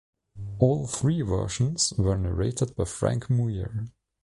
All three versions were narrated by Frank Muir.